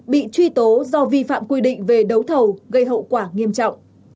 bị truy tố do vi phạm quy định về đấu thầu gây hậu quả nghiêm trọng